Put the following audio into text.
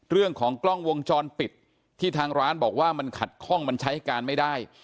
เรื่องของกล้องวงจรปิดที่ทางร้านบอกว่ามันขัดข้องมันใช้การไม่ได้